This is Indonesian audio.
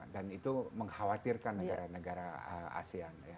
dan itu mengkhawatirkan negara negara asean